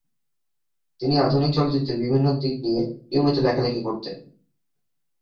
তিনি আধুনিক চলচ্চিত্রের বিভিন্ন দিক নিয়ে নিয়মিত লেখালেখি করতেন।